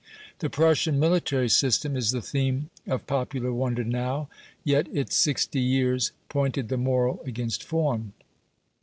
The Prussian military system is the theme of popular wonder now, yet it sixty years pointed the moral against form.